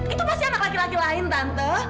itu pasti anak laki laki lain tanto